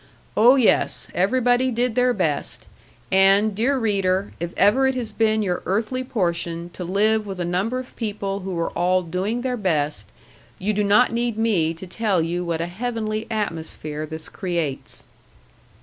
Oh, yes! Everybody did their best; and, dear reader, if ever it has been your earthly portion to live with a number of people who were all doing their best, you do not need me to tell you what a heavenly atmosphere this creates.